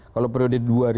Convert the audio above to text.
kalau periode dua ribu